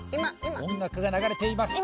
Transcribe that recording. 音楽が流れています